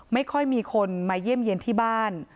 ไม่ค่อยมีคนมาเยี่ยมเยี่ยมที่บ้าน